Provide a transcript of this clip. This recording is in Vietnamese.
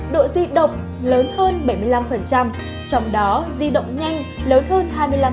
độ di động lớn hơn bảy mươi năm trong đó di động nhanh lớn hơn hai mươi năm